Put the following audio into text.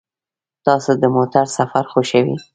تاسو د موټر سفر خوښوئ؟